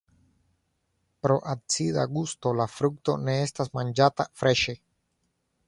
Pro la acida gusto la frukto ne estas manĝata freŝe.